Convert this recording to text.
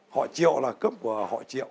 họ triệu là cấp của họ triệu